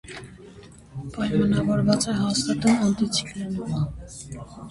Պայմանավորված է հաստատուն անտիցիկլոնով։